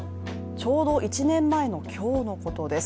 ちょうど１年前の今日のことです。